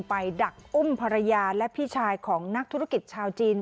ดักอุ้มภรรยาและพี่ชายของนักธุรกิจชาวจีน